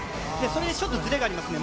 それでちょっとずれがありますね。